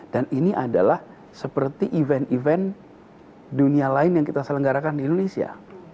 dan ini adalah seperti event event dunia lain yang kita selenggarakan di indonesia